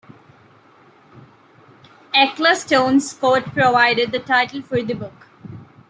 Ecclestone's quote provided the title for the book.